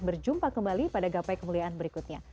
berjumpa kembali pada gapai kemuliaan berikutnya